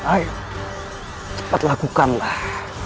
ayo cepat lakukanlah